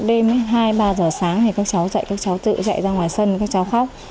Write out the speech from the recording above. đêm hai ba giờ sáng thì các cháu dậy các cháu tự dậy ra ngoài sân các cháu khóc